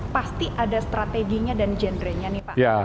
pasti ada strateginya dan gendrenya nih pak